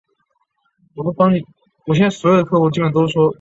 该组合还获得一些编舞和流行方面的奖项。